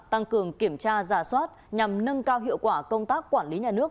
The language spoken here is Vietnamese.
tăng cường kiểm tra giả soát nhằm nâng cao hiệu quả công tác quản lý nhà nước